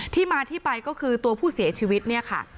ที่มาที่ไปก็คือตัวผู้เสียชีวิตเนี่ยค่ะ